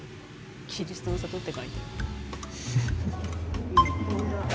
キリストの里って書いてある。